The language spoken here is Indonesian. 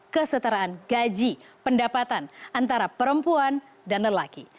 kesetaraan gaji pendapatan antara perempuan dan lelaki